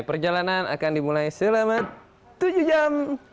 perjalanan akan dimulai selama tujuh jam